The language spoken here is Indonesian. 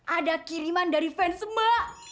ada kiriman dari fans semua